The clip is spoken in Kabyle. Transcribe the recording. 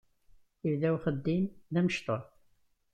Yebda ixeddim d amecṭuḥ.